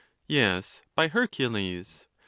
Yes, by Hercules !